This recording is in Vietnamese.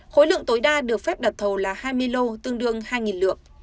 khối lượng tối đa được phép đặt thầu là hai mươi lô tương đương hai lượng